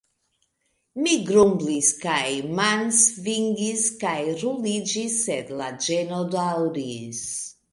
Mi grumblis kaj mansvingis kaj ruliĝis sed la ĝeno daŭris.